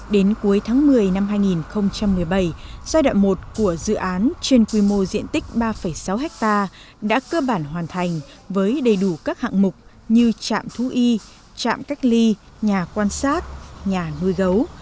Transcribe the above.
đến cuối tháng một mươi năm hai nghìn một mươi bảy giai đoạn một của dự án trên quy mô diện tích ba sáu ha đã cơ bản hoàn thành với đầy đủ các hạng mục như trạm thú y trạm cách ly nhà quan sát nhà nuôi gấu